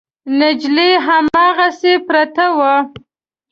نجلۍ هماغسې پرته وه.